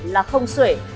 là không sể